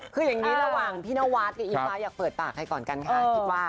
คืออย่างนี้ระหว่างพี่นวัดกับอิงฟ้าอยากเปิดปากใครก่อนกันคะ